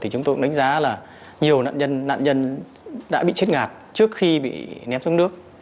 chúng tôi đánh giá là nhiều nạn nhân đã bị chết ngạt trước khi bị ném xuống nước